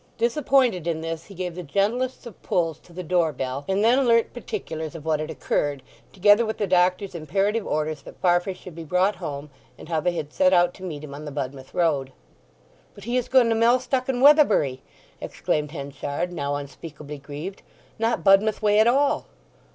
Disappointed in this he gave the gentlest of pulls to the door bell, and then learnt particulars of what had occurred, together with the doctor's imperative orders that Farfrae should be brought home, and how they had set out to meet him on the Budmouth Road. "But he has gone to Mellstock and Weatherbury!" exclaimed Henchard, now unspeakably grieved. "Not Budmouth way at all."